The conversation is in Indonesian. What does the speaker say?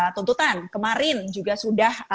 tuntutan kemarin juga sudah